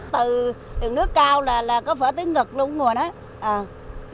từ nước cao là có phở tới ngực luôn rồi đó